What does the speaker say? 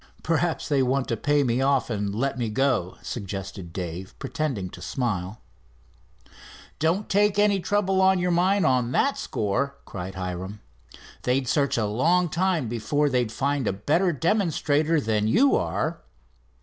"Perhaps they want to pay me off and let me go," suggested Dave, pretending to smile. "Don't take any trouble on your mind on that score," cried Hiram. "They'd search a long time before they'd find a better demonstrator than you are."